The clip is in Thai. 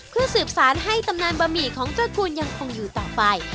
เพื่อสืบสารให้ตำนานบะหมี่ของเจ้าคุณยังคงอยู่ต่อไป